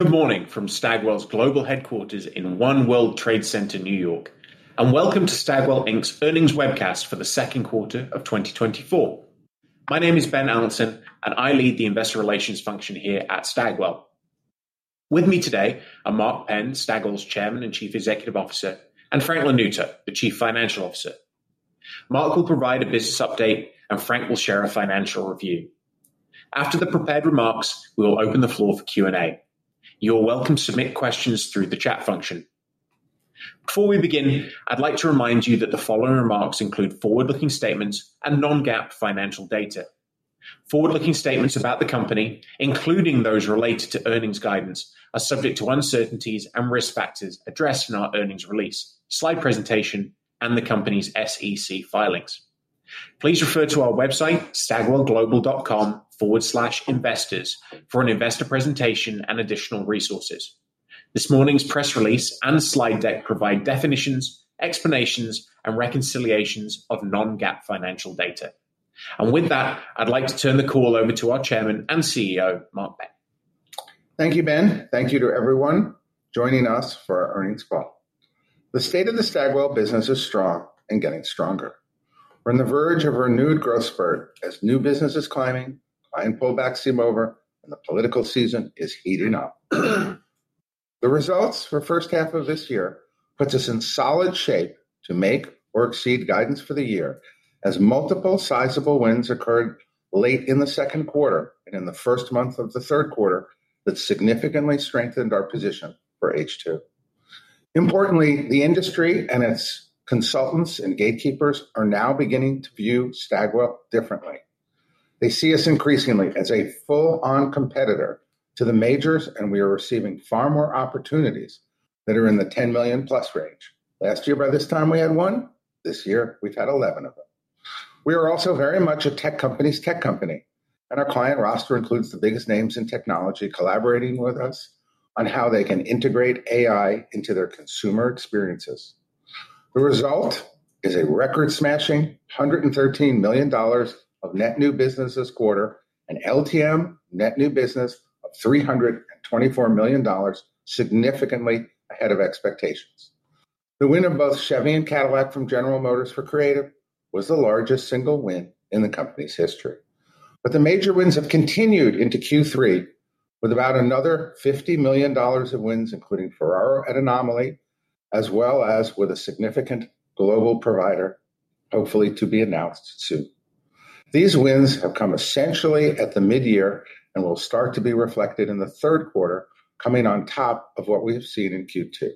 Good morning from Stagwell's global headquarters in One World Trade Center, New York, and welcome to Stagwell Inc.'s earnings webcast for the Q2 of 2024. My name is Ben Allanson, and I lead the investor relations function here at Stagwell. With me today are Mark Penn, Stagwell's Chairman and Chief Executive Officer, and Frank Lanuto, the Chief Financial Officer. Mark will provide a business update, and Frank will share a financial review. After the prepared remarks, we will open the floor for Q&A. You are welcome to submit questions through the chat function. Before we begin, I'd like to remind you that the following remarks include forward-looking statements and non-GAAP financial data. Forward-looking statements about the company, including those related to earnings guidance, are subject to uncertainties and risk factors addressed in our earnings release, slide presentation, and the company's SEC filings. Please refer to our website, stagwellglobal.com/investors, for an investor presentation and additional resources. This morning's press release and slide deck provide definitions, explanations, and reconciliations of non-GAAP financial data. With that, I'd like to turn the call over to our chairman and CEO, Mark Penn. Thank you, Ben. Thank you to everyone joining us for our earnings call. The state of the Stagwell business is strong and getting stronger. We're on the verge of a renewed growth spurt as new business is climbing, client pullbacks seem over, and the political season is heating up. The results for first half of this year puts us in solid shape to make or exceed guidance for the year, as multiple sizable wins occurred late in the Q2 and in the first month of the Q3 that significantly strengthened our position for H2. Importantly, the industry and its consultants and gatekeepers are now beginning to view Stagwell differently. They see us increasingly as a full-on competitor to the majors, and we are receiving far more opportunities that are in the 10 million plus range. Last year by this time, we had one. This year, we've had 11 of them. We are also very much a tech company's tech company, and our client roster includes the biggest names in technology collaborating with us on how they can integrate AI into their consumer experiences. The result is a record-smashing $113 million of net new business this quarter, and LTM net new business of $324 million, significantly ahead of expectations. The win of both Chevy and Cadillac from General Motors for creative was the largest single win in the company's history. But the major wins have continued into Q3, with about another $50 million of wins, including Ferrero at Anomaly, as well as with a significant global provider, hopefully to be announced soon. These wins have come essentially at the mid-year and will start to be reflected in the Q3, coming on top of what we have seen in Q2.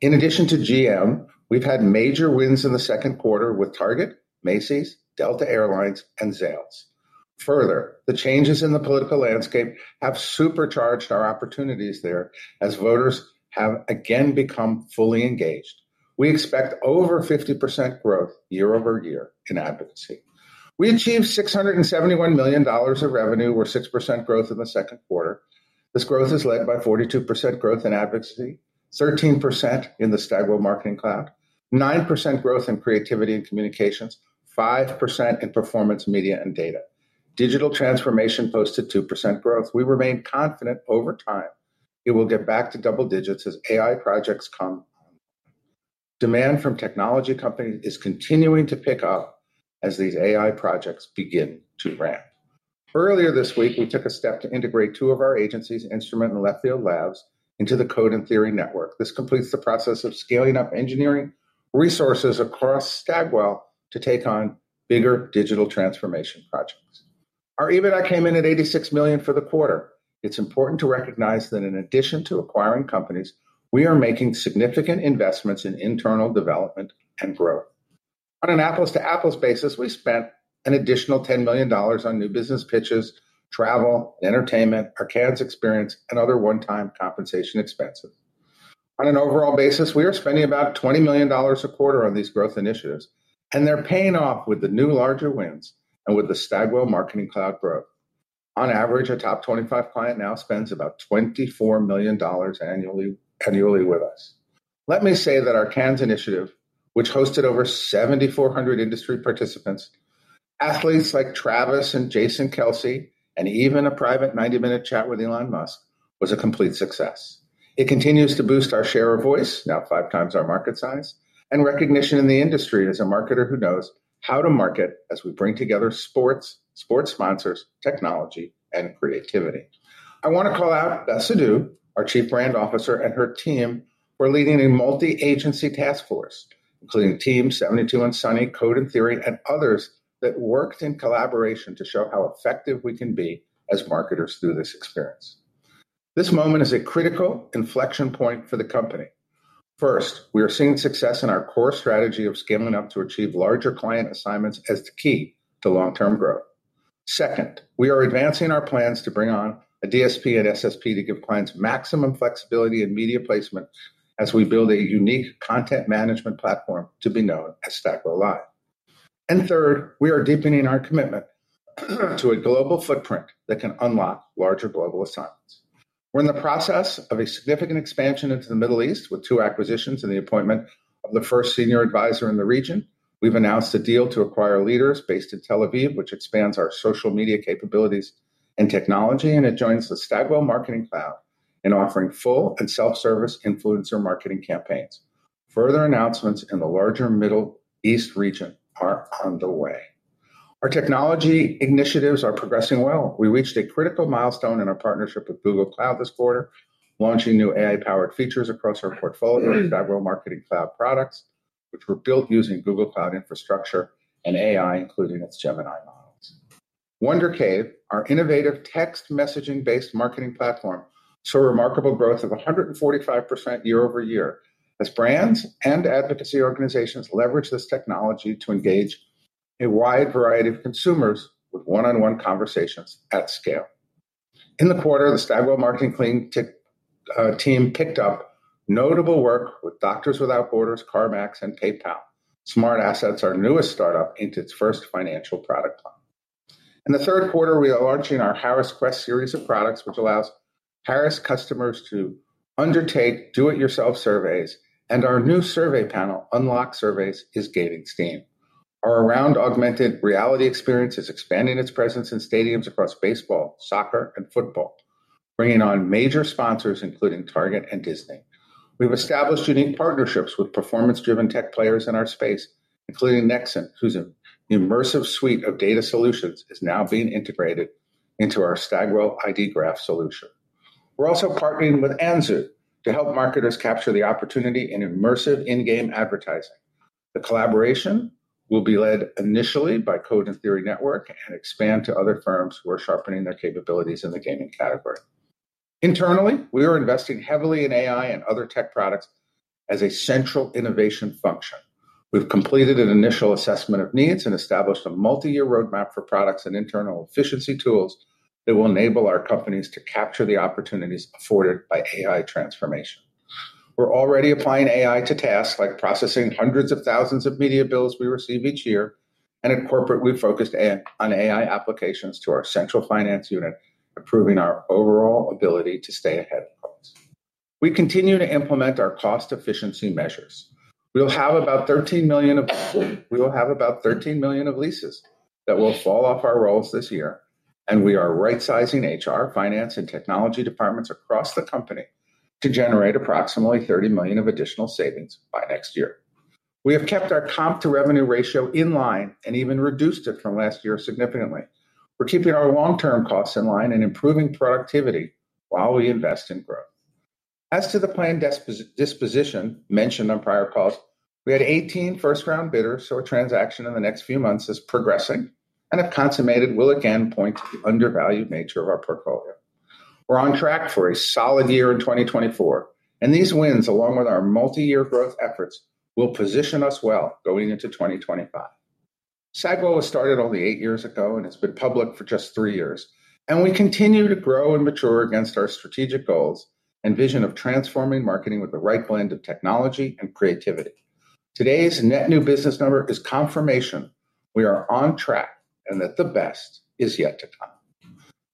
In addition to GM, we've had major wins in the Q2 with Target, Macy's, Delta Air Lines, and Zales. Further, the changes in the political landscape have supercharged our opportunities there as voters have again become fully engaged. We expect over 50% growth year-over-year in advocacy. We achieved $671 million of revenue, or 6% growth in the Q2. This growth is led by 42% growth in advocacy, 13% in the Stagwell Marketing Cloud, 9% growth in creativity and communications, 5% in performance media and data. Digital transformation posted 2% growth. We remain confident over time it will get back to double digits as AI projects come on board. Demand from technology companies is continuing to pick up as these AI projects begin to ramp. Earlier this week, we took a step to integrate two of our agencies, Instrument and Left Field Labs, into the Code and Theory network. This completes the process of scaling up engineering resources across Stagwell to take on bigger digital transformation projects. Our EBITDA came in at $86 million for the quarter. It's important to recognize that in addition to acquiring companies, we are making significant investments in internal development and growth. On an apples-to-apples basis, we spent an additional $10 million on new business pitches, travel, entertainment, our Cannes experience, and other one-time compensation expenses. On an overall basis, we are spending about $20 million a quarter on these growth initiatives, and they're paying off with the new larger wins and with the Stagwell Marketing Cloud growth. On average, our top 25 client now spends about $24 million annually, annually with us. Let me say that our Cannes initiative, which hosted over 7,400 industry participants, athletes like Travis and Jason Kelce, and even a private 90-minute chat with Elon Musk, was a complete success. It continues to boost our share of voice, now 5 times our market size, and recognition in the industry as a marketer who knows how to market as we bring together sports, sports sponsors, technology, and creativity. I want to call out Beth Sidhu, our Chief Brand Officer, and her team for leading a multi-agency task force, including Team, 72andSunny, Code and Theory, and others that worked in collaboration to show how effective we can be as marketers through this experience. This moment is a critical inflection point for the company. First, we are seeing success in our core strategy of scaling up to achieve larger client assignments as the key to long-term growth. Second, we are advancing our plans to bring on a DSP and SSP to give clients maximum flexibility in media placement as we build a unique content management platform to be known as Stagwell Live. And third, we are deepening our commitment to a global footprint that can unlock larger global assignments. We're in the process of a significant expansion into the Middle East, with two acquisitions and the appointment of the first senior advisor in the region. We've announced a deal to acquire Leaders based in Tel Aviv, which expands our social media capabilities and technology, and it joins the Stagwell Marketing Cloud in offering full and self-service influencer marketing campaigns. Further announcements in the larger Middle East region are on the way. Our technology initiatives are progressing well. We reached a critical milestone in our partnership with Google Cloud this quarter, launching new AI-powered features across our portfolio of Stagwell Marketing Cloud products, which were built using Google Cloud infrastructure and AI, including its Gemini models. WonderCave, our innovative text messaging-based marketing platform, saw remarkable growth of 145% year-over-year as brands and advocacy organizations leverage this technology to engage a wide variety of consumers with one-on-one conversations at scale. In the quarter, the Stagwell Marketing Cloud team picked up notable work with Doctors Without Borders, CarMax, and PayPal. SmartAssets, our newest startup, inked its first financial product plan. In the Q3, we are launching our Harris Quest series of products, which allows Harris customers to undertake do-it-yourself surveys, and our new survey panel, Unlock Surveys, is gaining steam. Our ARound augmented reality experience is expanding its presence in stadiums across baseball, soccer, and football, bringing on major sponsors including Target and Disney. We've established unique partnerships with performance-driven tech players in our space, including Nexxen, whose immersive suite of data solutions is now being integrated into our Stagwell ID Graph solution. We're also partnering with Anzu to help marketers capture the opportunity in immersive in-game advertising. The collaboration will be led initially by Code and Theory Network and expand to other firms who are sharpening their capabilities in the gaming category. Internally, we are investing heavily in AI and other tech products as a central innovation function. We've completed an initial assessment of needs and established a multi-year roadmap for products and internal efficiency tools that will enable our companies to capture the opportunities afforded by AI transformation. We're already applying AI to tasks like processing hundreds of thousands of media bills we receive each year, and at corporate, we've focused on AI applications to our central finance unit, improving our overall ability to stay ahead of costs. We continue to implement our cost efficiency measures. We will have about $13 million of leases that will fall off our rolls this year, and we are right-sizing HR, finance, and technology departments across the company to generate approximately $30 million of additional savings by next year. We have kept our comp to revenue ratio in line and even reduced it from last year significantly. We're keeping our long-term costs in line and improving productivity while we invest in growth. As to the planned disposition mentioned on prior calls, we had 18 first-round bidders, so a transaction in the next few months is progressing, and if consummated, will again point to the undervalued nature of our portfolio. We're on track for a solid year in 2024, and these wins, along with our multi-year growth efforts, will position us well going into 2025. Stagwell was started only 8 years ago, and it's been public for just 3 years, and we continue to grow and mature against our strategic goals and vision of transforming marketing with the right blend of technology and creativity. Today's net new business number is confirmation we are on track and that the best is yet to come.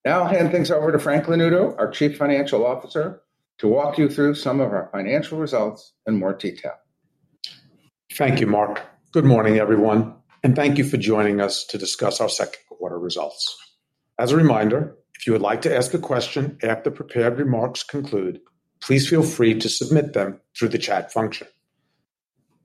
Now I'll hand things over to Frank Lanuto, our Chief Financial Officer, to walk you through some of our financial results in more detail. Thank you, Mark. Good morning, everyone, and thank you for joining us to discuss our Q2 results. As a reminder, if you would like to ask a question after prepared remarks conclude, please feel free to submit them through the chat function.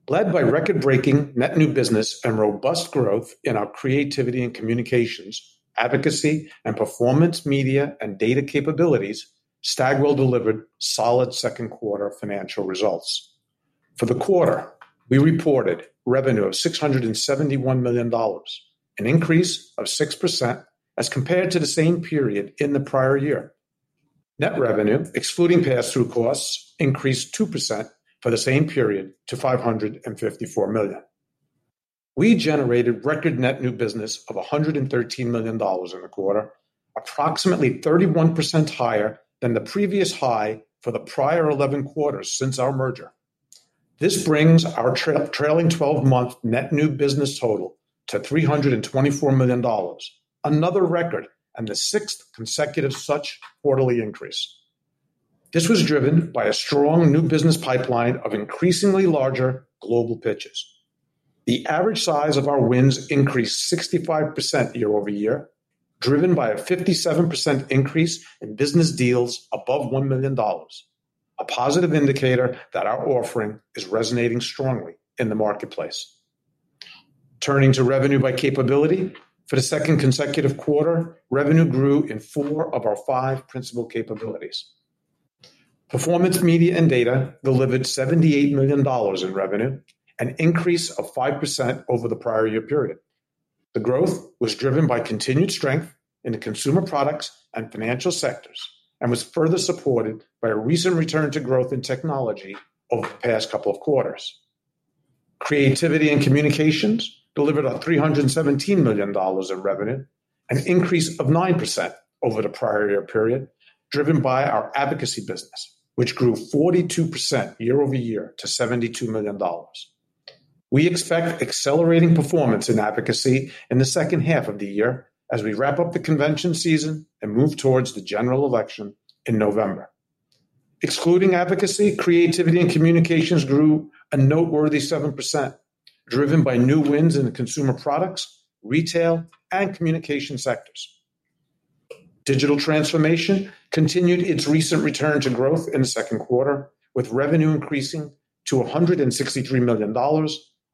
Led by record-breaking net new business and robust growth in our creativity and communications, advocacy and performance, media and data capabilities, Stagwell delivered solid Q2 financial results. For the quarter, we reported revenue of $671 million, an increase of 6% as compared to the same period in the prior year. Net revenue, excluding pass-through costs, increased 2% for the same period to $554 million. We generated record net new business of $113 million in the quarter, approximately 31% higher than the previous high for the prior 11 quarters since our merger. This brings our trailing 12 month net new business total to $324 million, another record and the sixth consecutive such quarterly increase. This was driven by a strong new business pipeline of increasingly larger global pitches. The average size of our wins increased 65% year-over-year, driven by a 57% increase in business deals above $1 million, a positive indicator that our offering is resonating strongly in the marketplace. Turning to revenue by capability, for the second consecutive quarter, revenue grew in four of our five principal capabilities. Performance media and data delivered $78 million in revenue, an increase of 5% over the prior year period. The growth was driven by continued strength in the consumer products and financial sectors and was further supported by a recent return to growth in technology over the past couple of quarters. Creativity and communications delivered $317 million of revenue, a 9% increase over the prior year period, driven by our advocacy business, which grew 42% year-over-year to $72 million. We expect accelerating performance in advocacy in the second half of the year as we wrap up the convention season and move towards the general election in November. Excluding advocacy, creativity and communications grew a noteworthy 7%, driven by new wins in the consumer products, retail, and communication sectors. Digital transformation continued its recent return to growth in the Q2, with revenue increasing to $163 million,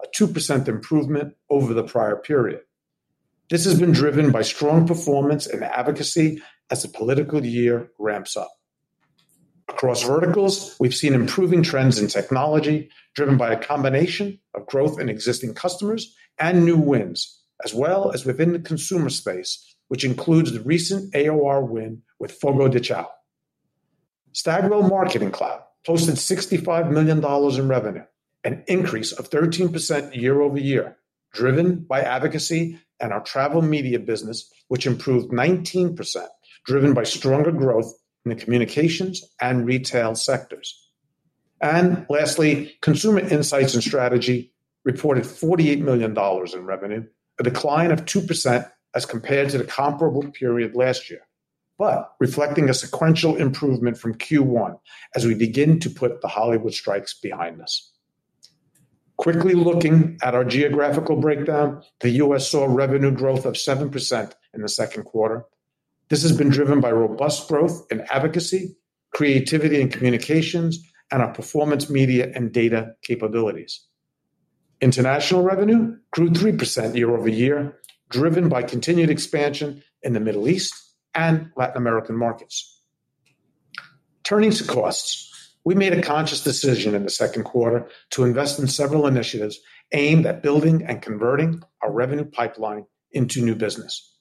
a 2% improvement over the prior period. This has been driven by strong performance and advocacy as the political year ramps up. Across verticals, we've seen improving trends in technology, driven by a combination of growth in existing customers and new wins, as well as within the consumer space, which includes the recent AOR win with Fogo de Chão. Stagwell Marketing Cloud posted $65 million in revenue, an increase of 13% year-over-year, driven by advocacy and our travel media business, which improved 19%, driven by stronger growth in the communications and retail sectors. And lastly, Consumer Insights and Strategy reported $48 million in revenue, a decline of 2% as compared to the comparable period last year, but reflecting a sequential improvement from Q1 as we begin to put the Hollywood strikes behind us. Quickly looking at our geographical breakdown, the U.S. saw revenue growth of 7% in the Q2. This has been driven by robust growth in advocacy, creativity and communications, and our performance media and data capabilities. International revenue grew 3% year-over-year, driven by continued expansion in the Middle East and Latin American markets. Turning to costs, we made a conscious decision in the Q2 to invest in several initiatives aimed at building and converting our revenue pipeline into new business.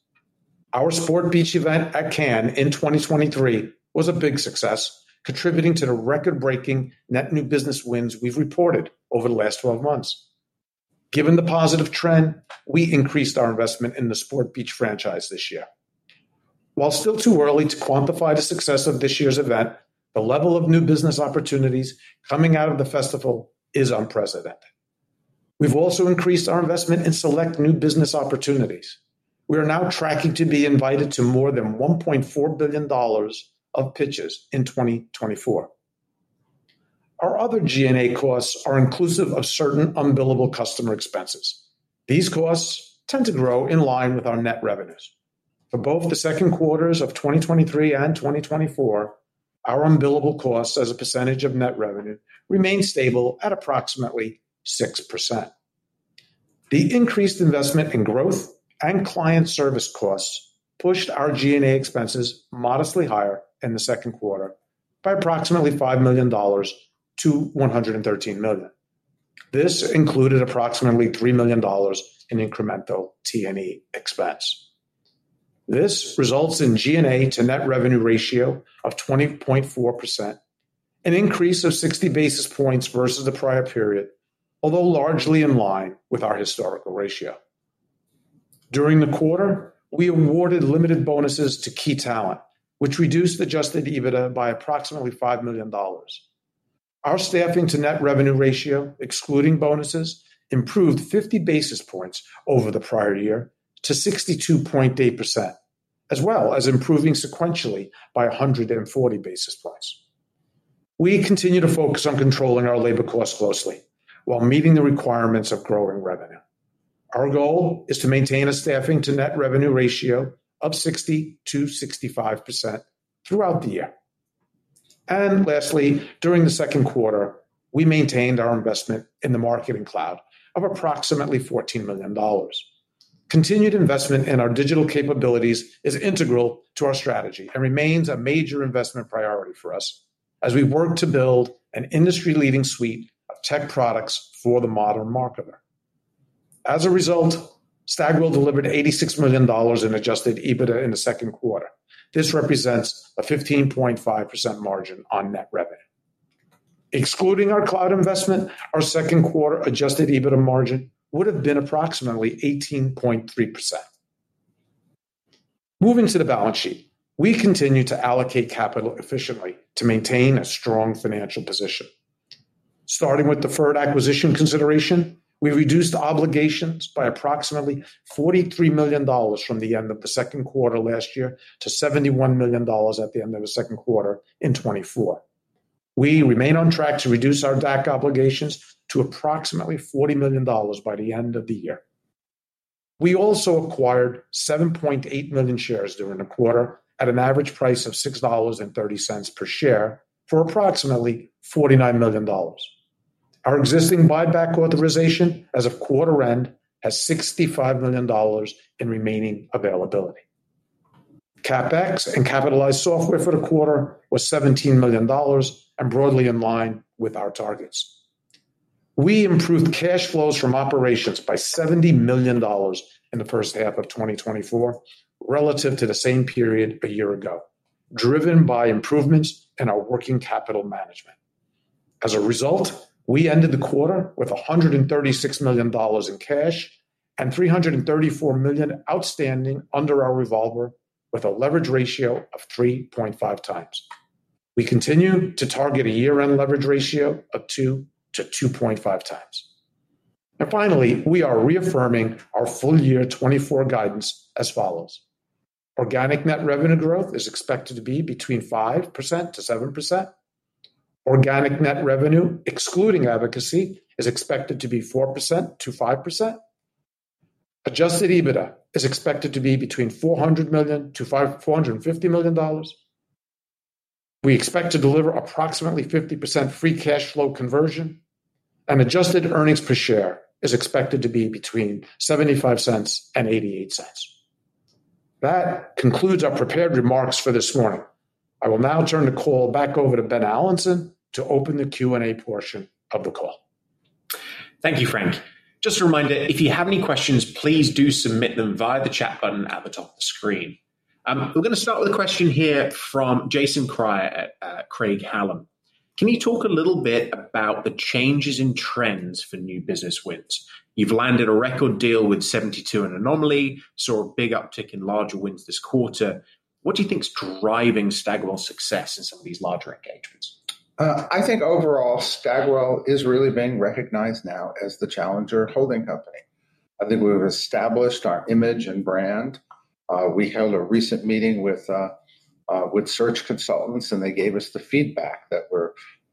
Our Sport Beach event at Cannes in 2023 was a big success, contributing to the record-breaking net new business wins we've reported over the last 12 months. Given the positive trend, we increased our investment in the Sport Beach franchise this year. While still too early to quantify the success of this year's event, the level of new business opportunities coming out of the festival is unprecedented. We've also increased our investment in select new business opportunities. We are now tracking to be invited to more than $1.4 billion of pitches in 2024. Our other G&A costs are inclusive of certain unbillable customer expenses. These costs tend to grow in line with our net revenues. For both the Q2s of 2023 and 2024, our unbillable costs as a percentage of net revenue remained stable at approximately 6%. The increased investment in growth and client service costs pushed our G&A expenses modestly higher in the Q2 by approximately $5 million to 113 million. This included approximately $3 million in incremental T&E expense. This results in G&A to net revenue ratio of 20.4%, an increase of 60 basis points versus the prior period, although largely in line with our historical ratio. During the quarter, we awarded limited bonuses to key talent, which reduced adjusted EBITDA by approximately $5 million. Our staffing to net revenue ratio, excluding bonuses, improved 50 basis points over the prior year to 62.8%, as well as improving sequentially by 140 basis points. We continue to focus on controlling our labor costs closely while meeting the requirements of growing revenue. Our goal is to maintain a staffing to net revenue ratio of 60% to 65% throughout the year. Lastly, during the Q2, we maintained our investment in the marketing cloud of approximately $14 million. Continued investment in our digital capabilities is integral to our strategy and remains a major investment priority for us as we work to build an industry-leading suite of tech products for the modern marketer. As a result, Stagwell delivered $86 million in adjusted EBITDA in the Q2. This represents a 15.5% margin on net revenue. Excluding our cloud investment, our Q2 adjusted EBITDA margin would have been approximately 18.3%. Moving to the balance sheet, we continue to allocate capital efficiently to maintain a strong financial position. Starting with deferred acquisition consideration, we reduced obligations by approximately $43 million from the end of the Q2 last year to $71 million at the end of the Q2 in 2024. We remain on track to reduce our DAC obligations to approximately $40 million by the end of the year. We also acquired 7.8 million shares during the quarter at an average price of $6.30 per share for approximately $49 million. Our existing buyback authorization as of quarter end has $65 million in remaining availability. CapEx and capitalized software for the quarter was $17 million and broadly in line with our targets. We improved cash flows from operations by $70 million in the first half of 2024, relative to the same period a year ago, driven by improvements in our working capital management. As a result, we ended the quarter with $136 million in cash and $334 million outstanding under our revolver, with a leverage ratio of 3.5 times. We continue to target a year-end leverage ratio of 2 to 2.5 times. Finally, we are reaffirming our full-year 2024 guidance as follows: Organic net revenue growth is expected to be between 5% to 7%. Organic net revenue, excluding advocacy, is expected to be 4% to 5%. Adjusted EBITDA is expected to be between $400 million to 450 million. We expect to deliver approximately 50% free cash flow conversion, and adjusted earnings per share is expected to be between $0.75 to 0.88. That concludes our prepared remarks for this morning. I will now turn the call back over to Ben Allanson to open the Q&A portion of the call. Thank you, Frank. Just a reminder, if you have any questions, please do submit them via the chat button at the top of the screen. We're gonna start with a question here from Jason Kreyer at Craig-Hallum. Can you talk a little bit about the changes in trends for new business wins? You've landed a record deal with 72andSunny and Anomaly, saw a big uptick in larger wins this quarter. What do you think is driving Stagwell's success in some of these larger engagements? I think overall, Stagwell is really being recognized now as the challenger holding company. I think we've established our image and brand. We held a recent meeting with search consultants, and they gave us the feedback that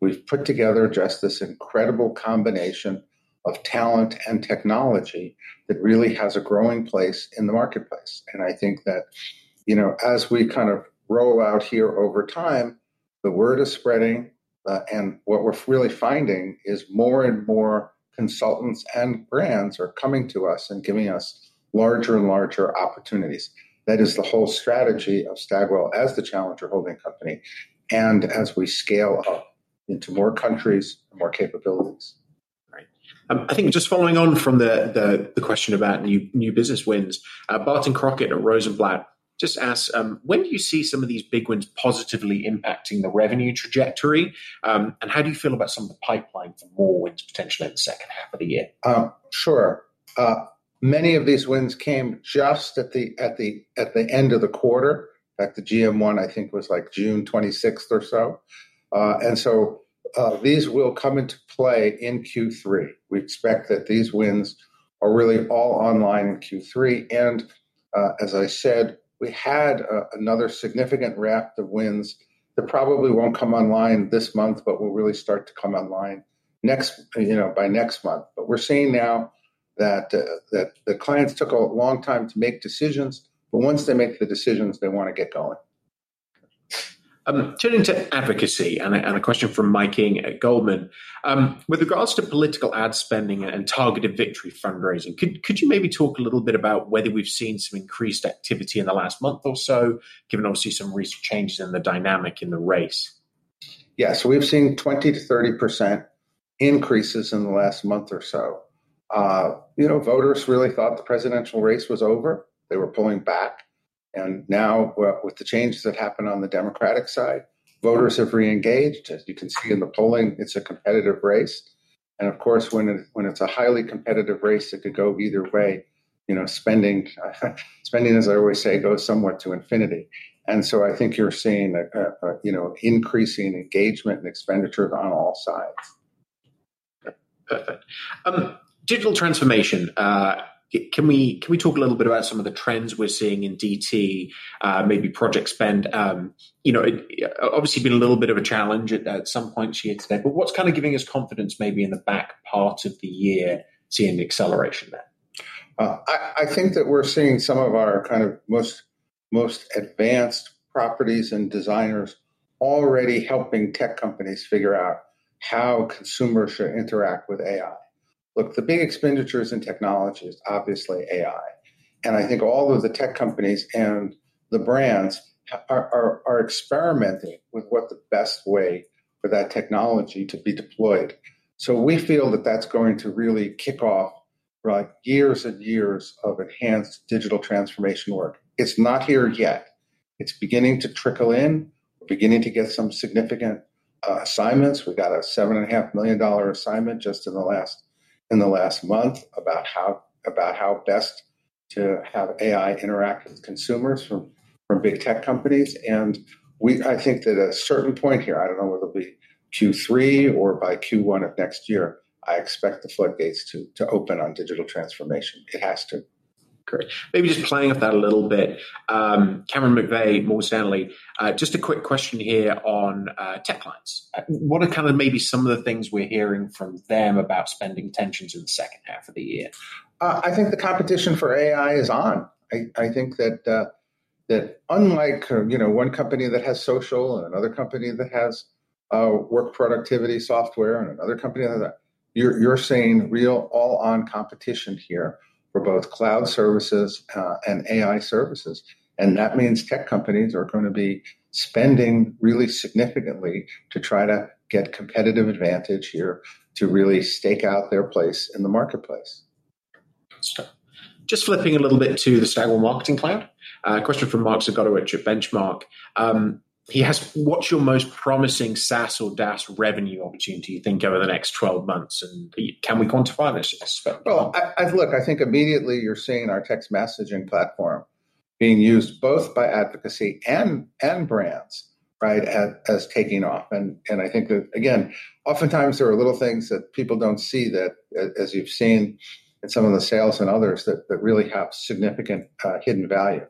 we've put together just this incredible combination of talent and technology that really has a growing place in the marketplace. And I think that, you know, as we kind of roll out here over time, the word is spreading, and what we're really finding is more and more consultants and brands are coming to us and giving us larger and larger opportunities. That is the whole strategy of Stagwell as the challenger holding company, and as we scale up into more countries and more capabilities. Right. I think just following on from the question about new business wins, Barton Crockett at Rosenblatt just asked, "When do you see some of these big wins positively impacting the revenue trajectory, and how do you feel about some of the pipeline for more wins, potentially in the second half of the year? Sure. Many of these wins came just at the end of the quarter. In fact, the GM one, I think, was, like, June 26th or so. And so, these will come into play in Q3. We expect that these wins are really all online in Q3, and, as I said, we had another significant raft of wins that probably won't come online this month, but will really start to come online next, you know, by next month. But we're seeing now that that the clients took a long time to make decisions, but once they make the decisions, they wanna get going. Turning to advocacy, and a question from Mike Ng at Goldman Sachs. With regards to political ad spending and Targeted victory fundraising, could you maybe talk a little bit about whether we've seen some increased activity in the last month or so, given, obviously, some recent changes in the dynamic in the race? Yeah. So we've seen 20% to 30% increases in the last month or so. You know, voters really thought the presidential race was over. They were pulling back, and now with the changes that happened on the Democratic side, voters have re-engaged. As you can see in the polling, it's a competitive race, and of course, when it's a highly competitive race, it could go either way. You know, spending, as I always say, goes somewhat to infinity, and so I think you're seeing a you know, increasing engagement and expenditure on all sides. Perfect. Digital transformation. Can we talk a little bit about some of the trends we're seeing in DT, maybe project spend? You know, obviously been a little bit of a challenge at some points year to date, but what's kinda giving us confidence maybe in the back part of the year, seeing the acceleration then? I think that we're seeing some of our kind of most advanced properties and designers already helping tech companies figure out how consumers should interact with AI. Look, the big expenditures in technology is obviously AI, and I think all of the tech companies and the brands are experimenting with what the best way for that technology to be deployed. So we feel that that's going to really kick off, like, years and years of enhanced digital transformation work. It's not here yet. It's beginning to trickle in. We're beginning to get some significant assignments. We got a $7.5 million assignment just in the last month about how best to have AI interact with consumers from big tech companies. And we. I think that at a certain point here, I don't know whether it be Q3 or by Q1 of next year, I expect the floodgates to open on digital transformation. It has to. Great. Maybe just playing with that a little bit, Cameron McVeigh, Morgan Stanley, just a quick question here on, tech clients. What are kinda maybe some of the things we're hearing from them about spending tensions in the second half of the year? I think the competition for AI is on. I think that unlike, you know, one company that has social and another company that has work productivity software, and another company that. You're seeing real all-out competition here for both cloud services and AI services, and that means tech companies are gonna be spending really significantly to try to get competitive advantage here, to really stake out their place in the marketplace. Gotcha. Just flipping a little bit to the Stagwell Marketing Cloud, a question from Mark Zgutowicz at Benchmark. He asked, "What's your most promising SaaS or DaaS revenue opportunity you think, over the next 12 months, and can we quantify this? Well, look, I think immediately you're seeing our text messaging platform being used both by advocacy and brands, right? As taking off. And I think that, again, oftentimes there are little things that people don't see that as you've seen in some of the sales and others, that really have significant hidden value.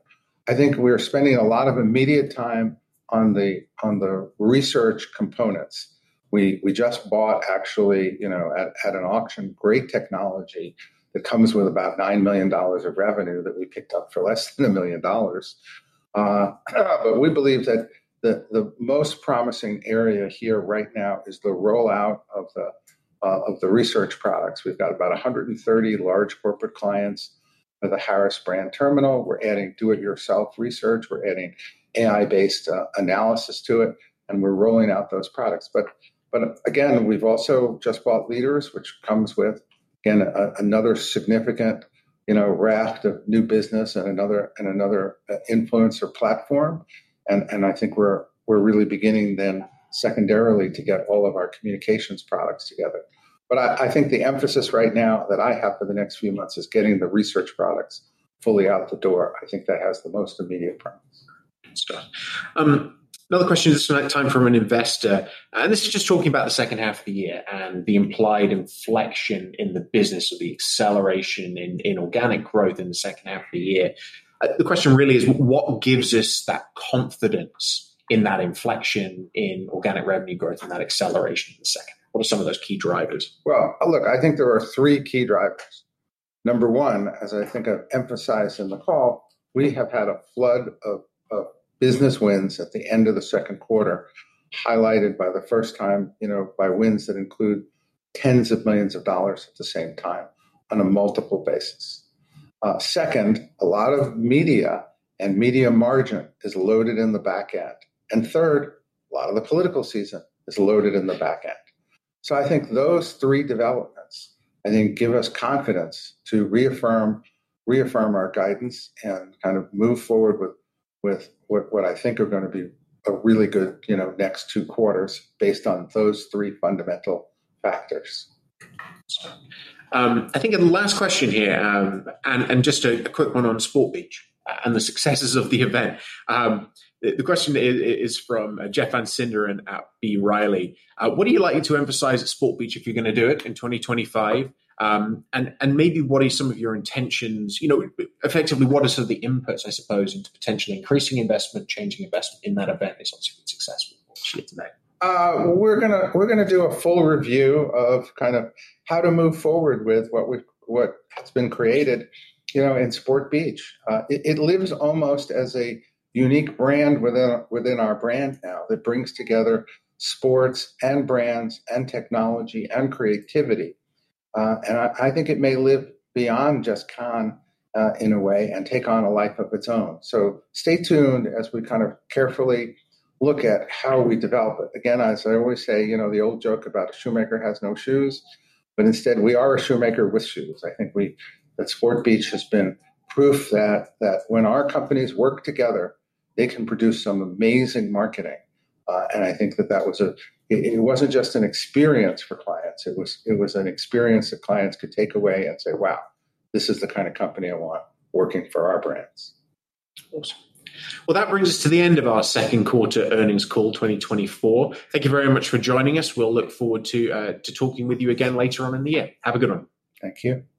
I think we're spending a lot of immediate time on the research components. We just bought actually, you know, at an auction, great technology that comes with about $9 million of revenue that we picked up for less than $1 million. But we believe that the most promising area here right now is the rollout of the research products. We've got about 130 large corporate clients with a Harris Brand terminal. We're adding do-it-yourself research. We're adding AI-based analysis to it, and we're rolling out those products. But again, we've also just bought Leaders, which comes with again another significant, you know, raft of new business and another and another influencer platform. And I think we're really beginning then secondarily to get all of our communications products together. But I think the emphasis right now that I have for the next few months is getting the research products fully out the door. I think that has the most immediate promise. Good stuff. Another question this time from an investor, and this is just talking about the second half of the year and the implied inflection in the business or the acceleration in, in organic growth in the second half of the year. The question really is: what gives us that confidence in that inflection in organic revenue growth and that acceleration in the second? What are some of those key drivers? Well, look, I think there are three key drivers. Number one, as I think I've emphasized in the call, we have had a flood of business wins at the end of the Q2, highlighted by the first time, you know, by wins that include $10s of millions at the same time on a multiple basis. Second, a lot of media and media margin is loaded in the back end. And third, a lot of the political season is loaded in the back end. So I think those three developments, I think, give us confidence to reaffirm our guidance and kind of move forward with what I think are gonna be a really good, you know, next two quarters based on those three fundamental factors. I think in the last question here, and just a quick one on Sport Beach and the successes of the event. The question is from Jeff Van Sinderen and B. Riley. What are you likely to emphasize at Sport Beach if you're gonna do it in 2025? And maybe what are some of your intentions? You know, effectively, what are some of the inputs, I suppose, into potentially increasing investment, changing investment in that event, is obviously successful tonight? We're gonna, we're gonna do a full review of kind of how to move forward with what we. what has been created, you know, in Sport Beach. It, it lives almost as a unique brand within, within our brand now, that brings together sports, and brands, and technology, and creativity. And I, I think it may live beyond just Cannes, in a way, and take on a life of its own. So stay tuned as we kind of carefully look at how we develop it. Again, as I always say, you know the old joke about the shoemaker has no shoes, but instead, we are a shoemaker with shoes. I think we- that Sport Beach has been proof that, that when our companies work together, they can produce some amazing marketing. And I think that that was a. It wasn't just an experience for clients, it was an experience that clients could take away and say, "Wow, this is the kind of company I want working for our brands. Awesome. Well, that brings us to the end of our Q2 earnings call, 2024. Thank you very much for joining us. We'll look forward to, to talking with you again later on in the year. Have a good one. Thank you.